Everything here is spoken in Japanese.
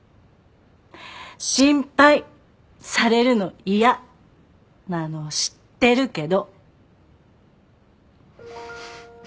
心配されるの嫌なの知ってるけど。